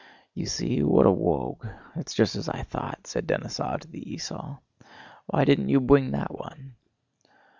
"You see?... What a wogue—it's just as I thought," said Denísov to the esaul. "Why didn't you bwing that one?"